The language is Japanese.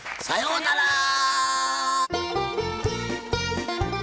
さようなら！